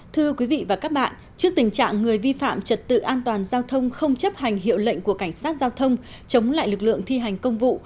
thưa quý vị và các bạn trước tình trạng người vi phạm trật tự an toàn giao thông không chấp hành hiệu lệnh của cảnh sát giao thông chống lại lực lượng thi hành công vụ